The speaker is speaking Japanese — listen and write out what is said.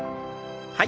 はい。